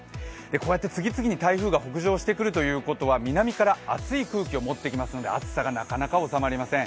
こうやって次々に台風が北上してくるということは南から熱い空気を持ってきますので暑さがなかなか収まりません。